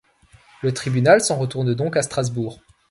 Le Tribunal s’en retourne donc à Strasbourg.